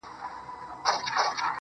په مخه دي د اور ګلونه.